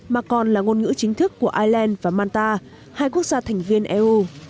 mà còn là ngôn ngữ chính thức của ireland và manta hai quốc gia thành viên eu